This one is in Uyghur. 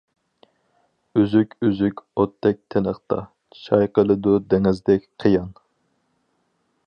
ئۈزۈك-ئۈزۈك ئوتتەك تىنىقتا، چايقىلىدۇ دېڭىزدەك قىيان.